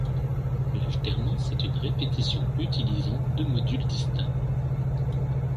L’alternance est une répétition utilisant deux modules distincts.